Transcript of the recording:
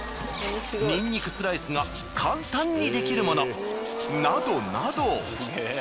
にんにくスライスが簡単にできるものなどなど。